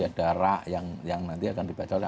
ada rak yang nanti akan dibaca oleh